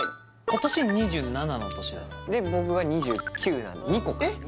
今年２７の年ですで僕が２９なんで２個かえっ？